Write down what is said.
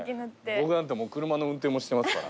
僕なんてもう車の運転もしてますから。